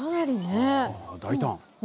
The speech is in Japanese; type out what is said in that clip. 大胆。